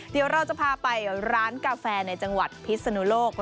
เดี๋ยวเราจะพาไปร้านกาแฟในจังหวัดพิศนุโลก